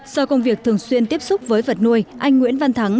do công việc thường xuyên tiếp xúc với vật nuôi anh nguyễn văn thắng